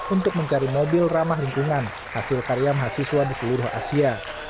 untuk mencari mobil ramah lingkungan hasil karya mahasiswa di seluruh asia